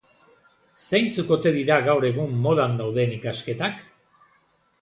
Zeintzuk ote dira gaur egun modan dauden ikasketak?